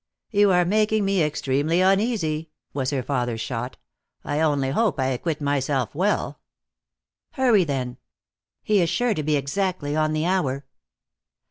"You are making me extremely uneasy," was her father's shot. "I only hope I acquit myself well." "Hurry, then. He is sure to be exactly on the hour."